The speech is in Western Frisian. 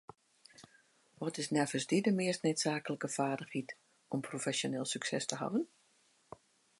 Wat is neffens dy de meast needsaaklike feardichheid om profesjoneel sukses te hawwen?